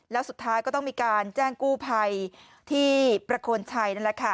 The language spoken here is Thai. แล้วสุดท้ายก็ต้องมีการแจ้งกู้ภัยที่ประโคนชัยนั่นแหละค่ะ